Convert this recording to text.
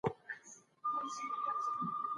ګوندونه د خلګو د حقوقو د ترلاسه کولو هڅه کوي.